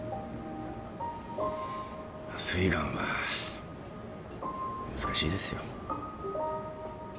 すいがんは難しいですよ。